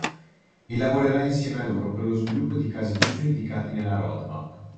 E lavorerà insieme a loro per lo sviluppo di casi d’uso indicati nella roadmap.